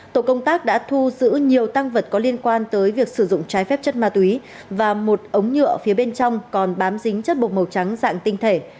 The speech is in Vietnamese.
tổ công tác đã thu giữ nhiều tăng vật có liên quan tới việc sử dụng trái phép chất ma túy và một ống nhựa phía bên trong còn bám dính chất bột màu trắng dạng tinh thể